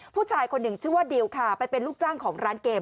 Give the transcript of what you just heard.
ผู้ชายคนหนึ่งชื่อว่าดิวค่ะไปเป็นลูกจ้างของร้านเกม